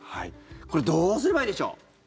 これ、どうすればいいでしょう。